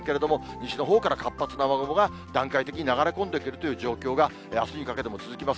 西のほうから活発な雨雲が段階的に流れ込んでくる状況があすにかけても続きます。